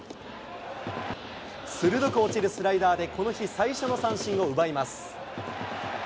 鋭く落ちるスライダーでこの日最初の三振を奪います。